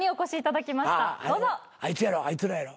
あいつやろあいつらやろ。